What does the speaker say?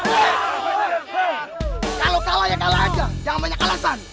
kalau kalah ya kalah aja jangan banyak alasan